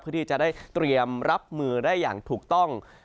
เพื่อที่จะได้เตรียมรับมือได้อย่างถูกต้อง